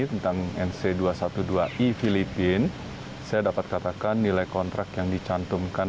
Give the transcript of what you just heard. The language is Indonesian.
tentang nc dua ratus dua belas i filipina saya dapat katakan nilai kontrak yang dicantumkan